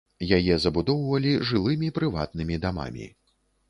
Яе забудоўвалі жылымі прыватнымі дамамі.